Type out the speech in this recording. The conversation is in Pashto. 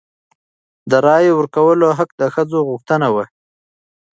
د رایې ورکولو حق د ښځو غوښتنه وه.